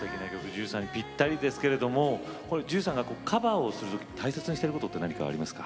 ＪＵＪＵさんにぴったりですけれどもＪＵＪＵさんがカバーをする時大切にしてることって何かありますか？